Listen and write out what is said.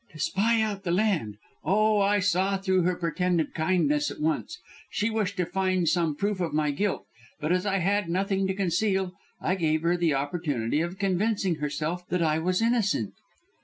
"To spy out the land. Oh, I saw through her pretended kindness at once. She wished to find some proof of my guilt, but as I had nothing to conceal I gave her the opportunity of convincing herself that I was innocent."